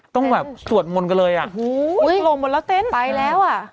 ต้องแบบสวดมนต์กันเลยอ่ะโอ้โหอุ้ยลงหมดแล้วเต้นไปแล้วอ่ะ